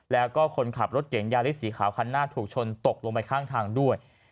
แล้วก็คนขับรถเก่งยาริสสีขาวคันหน้าถูกชนตกลงไปข้างทางด้วย